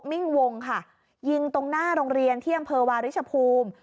มิ่งวงค่ะยิงตรงหน้าโรงเรียนที่อำเภอวาริชภูมิ